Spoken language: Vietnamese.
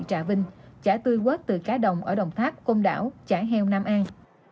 chả vinh chả tươi quớt từ cá đồng ở đồng thác côn đảo chả heo nam an